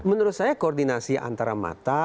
menurut saya koordinasi antara mata